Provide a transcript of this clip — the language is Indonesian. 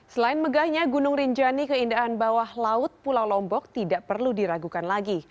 selain megahnya gunung rinjani keindahan bawah laut pulau lombok tidak perlu diragukan lagi